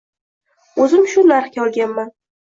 “O‘zim shu narxga olganman.